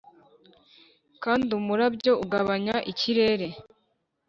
kandi umurabyo ugabanya ikirere--.